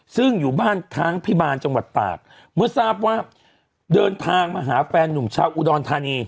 ซึ่งอยู่บ้านค้างพิบาลจังหวัดตากเมื่อทราบว่าเดินทางมาหาแฟนนุ่มชาวอุดรธานี